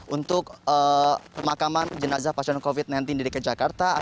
untuk pemakaman jenazah pasien covid sembilan belas di tpu rorotan cilincing jakarta utara